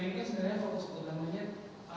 ini kan sebenarnya fokus utamanya apa